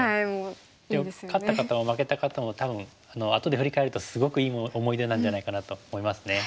勝った方も負けた方も多分後で振り返るとすごくいい思い出なんじゃないかなと思いますね。